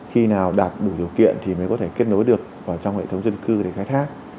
khi nào đạt đủ điều kiện thì mới có thể kết nối được trong hệ thống dân cư để khai thác